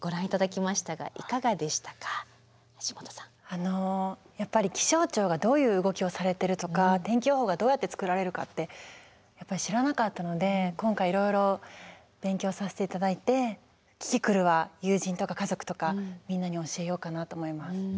あのやっぱり気象庁がどういう動きをされてるとか天気予報がどうやって作られるかってやっぱり知らなかったので今回いろいろ勉強させて頂いてキキクルは友人とか家族とかみんなに教えようかなと思います。